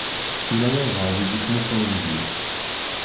Yella walebɛaḍ i d-ittmuqqulen deg-k.